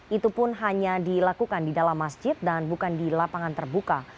itu pun hanya dilakukan di dalam masjid dan bukan di lapangan terbuka